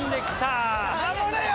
守れよ！